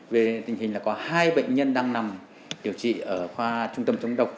về tình hình là có hai bệnh nhân đang nằm điều trị ở khoa trung tâm chống độc